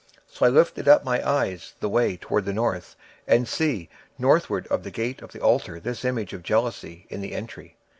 So I lifted up mine eyes the way toward the north, and behold northward at the gate of the altar this image of jealousy in the entry.